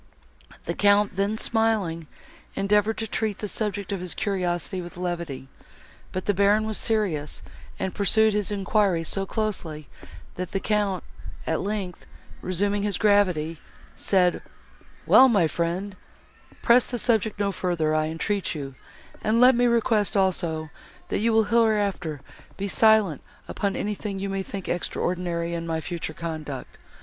The Count, then smiling, endeavoured to treat the subject of his curiosity with levity, but the Baron was serious, and pursued his enquiries so closely, that the Count, at length, resuming his gravity, said, "Well, my friend, press the subject no further, I entreat you; and let me request also, that you will hereafter be silent upon anything you may think extraordinary in my future conduct.